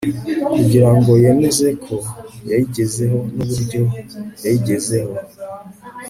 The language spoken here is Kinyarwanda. kugira ngo yemeze ko yayigezeho n'uburyo yayigezeho